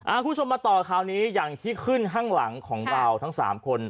คุณผู้ชมมาต่อคราวนี้อย่างที่ขึ้นข้างหลังของเราทั้งสามคน